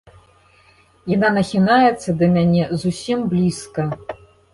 Яна нахінаецца да мяне зусім блізка.